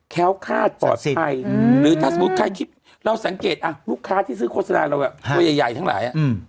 ้วคาดปลอดภัยหรือถ้าสมมุติใครคิดเราสังเกตลูกค้าที่ซื้อโฆษณาเราตัวใหญ่ทั้งหลาย